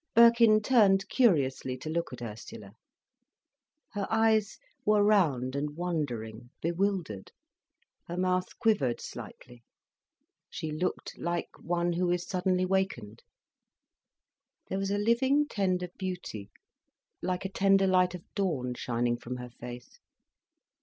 Birkin turned curiously to look at Ursula. Her eyes were round and wondering, bewildered, her mouth quivered slightly. She looked like one who is suddenly wakened. There was a living, tender beauty, like a tender light of dawn shining from her face.